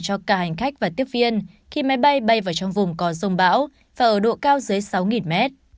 cho cả hành khách và tiếp viên khi máy bay bay vào trong vùng có rông bão và ở độ cao dưới sáu mét